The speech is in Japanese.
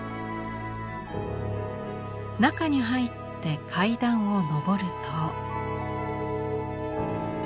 中に入って階段を上ると。